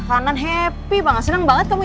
tadinya aku mau ajak ombaik ke sini